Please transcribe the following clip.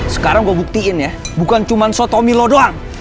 sekarang gua buktiin ya bukan cuma sholat tominya lu doang